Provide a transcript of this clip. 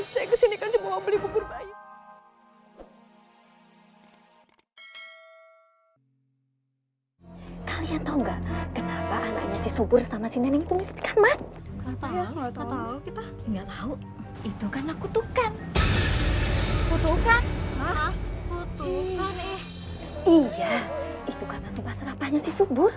saya kesini kan cuma mau beli bubur bayi